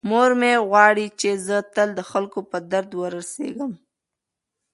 مور مې غواړي چې زه تل د خلکو په درد ورسیږم.